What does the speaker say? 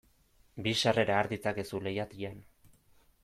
Bi sarrera har ditzakezu leihatilan.